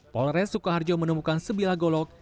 polres sukoharjo menemukan sebilah golok